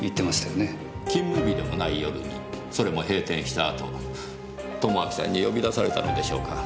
勤務日でもない夜にそれも閉店した後友章さんに呼び出されたのでしょうか。